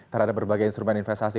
terhadap berbagai instrumen investasi